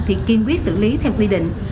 thì kiên quyết xử lý theo quy định